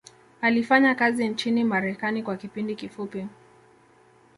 alifanya kazi nchini marekani kwa kipindi kifupi